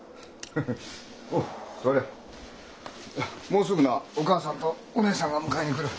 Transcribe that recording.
もうすぐなお母さんとお姉さんが迎えに来る。